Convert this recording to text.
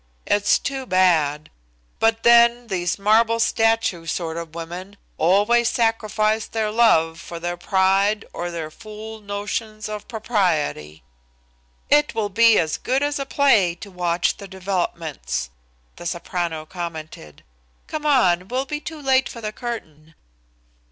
It's too bad. But then, these marble statue sort of women always sacrifice their love for their pride or their fool notions or propriety." "It will be as good as a play to watch the developments," the soprano commented. "Come on, we'll be too late for the curtain."